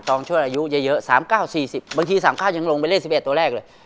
ต้องช่วยอายุเยอะ๓ข้าว๔๐บางที๓ข้าวจึงลงไปเล่น๑๑ตัวแรกเลย